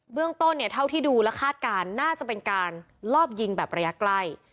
เรื่องต้นเนี่ยเท่าที่ดูและคาดการณ์น่าจะเป็นการลอบยิงแบบระยะใกล้